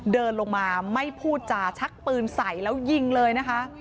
เดินลงมาไม่พูดจาชักปืนใส่แล้วยิงเลยนะคะ